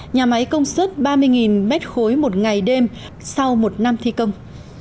nhà máy công suất ba mươi m ba một ngày đêm sau một năm thi công